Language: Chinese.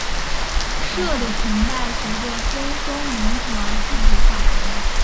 社的崇拜随着分封领土而制度化。